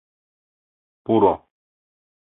— Пуро.